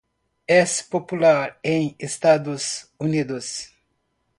Es popular en Estados Unidos.